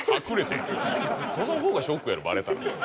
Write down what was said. その方がショックやろバレたら。